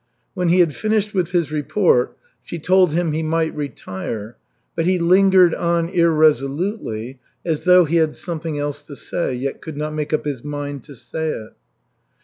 When he had finished with his report, she told him he might retire, but he lingered on irresolutely, as though he had something else to say, yet could not make up his mind to say it.